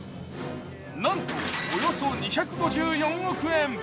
なんと、およそ２５４億円。